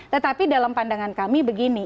tetapi dalam pandangan kami begini